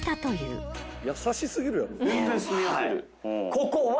ここは？